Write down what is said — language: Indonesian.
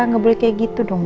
gak boleh kayak gitu dong ma